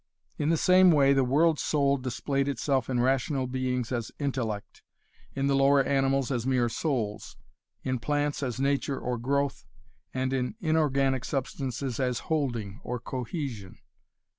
In the same way the world soul displayed itself in rational beings as intellect, in the lower animals as mere souls, in plants as nature or growth, and in inorganic substances as 'holding' or cohesion.